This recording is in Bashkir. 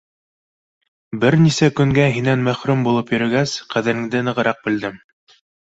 Бер нисә көнгә һинән мәхрүм булып йөрөгәс, ҡәҙереңде нығыраҡ белдем.